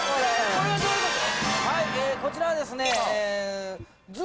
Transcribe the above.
これはどういうこと？